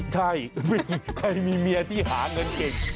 ใช่ไม่มีใครมีเมียที่หาเงินเก่ง